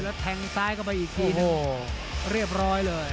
ทางซ้ายก็ไปอีกทีโอ้โอเค๊เรียบร้อยเลย